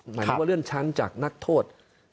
หมายถึงว่าเลื่อนชั้นจากนักโทษ